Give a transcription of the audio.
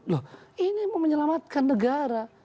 loh ini mau menyelamatkan negara